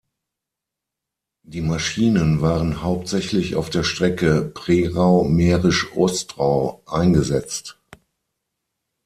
Die Maschinen waren hauptsächlich auf der Strecke Prerau–Mährisch Ostrau eingesetzt.